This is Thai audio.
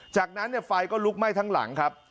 จากนั้นไฟก็ลุกไหม้ทั้งหลังครับ